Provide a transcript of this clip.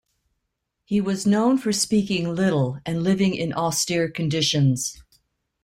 He was known for speaking little and living in austere conditions.